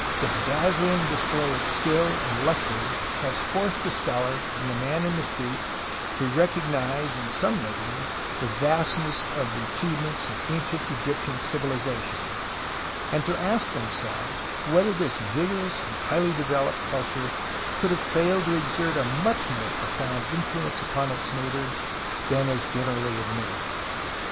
The dazzling display of skill and luxury has forced the scholar and the man in the 18 TUTANKHAMEN street to recognize in some measure the vast ness of the achievements of ancient Egyptian civiHzation and to ask themselves whether this vigorous and highly developed culture could have failed to exert a much more profound influence upon its neighbours than is generally admitted.